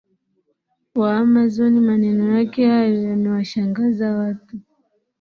wa Amazon Maneno yake hayo yamewashangaza watu